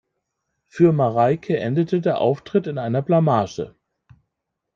Für Mareike endete der Auftritt in einer Blamage.